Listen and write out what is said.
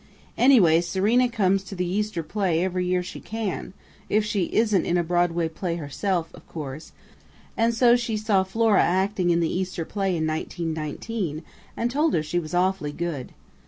Anyway, Serena comes to the Easter play every year she can, if she isn't in a Broadway play herself, of course, and so she saw Flora acting in the Easter play in 1919, and told her she was awfully good.